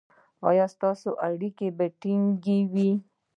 ایا ستاسو اړیکې به ټینګې وي؟